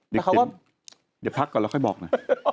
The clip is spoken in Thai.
เด็กที่จะพักก่อนแล้วค่อยบอกน่ะ